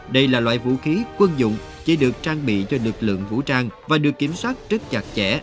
đây là loại vũ khí quân dụng chỉ được trang bị cho lực lượng vũ trang và được kiểm soát rất chặt chẽ